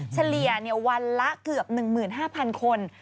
เฉลี่ยวันละเกือบ๑๕๐๐คน